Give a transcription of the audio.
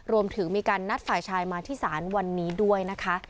รวมถึงมีการนัดฝ่ายชายมาที่ศาลวันนี้ด้วยนะคะ